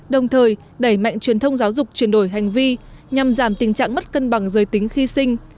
đồng thời đẩy mạnh truyền thông giáo dục chuyển đổi hành vi nhằm giảm tình trạng mất cân bằng giới tính khi sinh